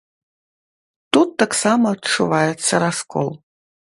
Тут таксама адчуваецца раскол.